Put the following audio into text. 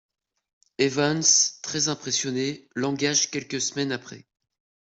Evans, très impressionné, l'engage quelques semaines après.